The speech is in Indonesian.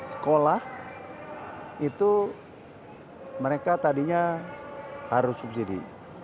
sekolah itu mereka tadinya harus subsidi